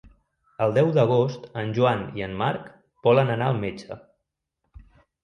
El deu d'agost en Joan i en Marc volen anar al metge.